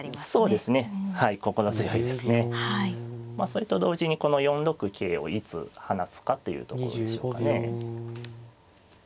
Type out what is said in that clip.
それと同時にこの４六桂をいつ放つかっていうところでしょうかね。